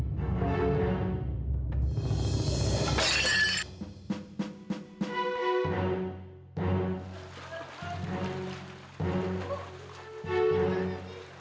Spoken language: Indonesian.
kok jadi berantakan kayak begini sih